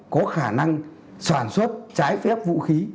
có khả năng sản xuất trái phép vũ khí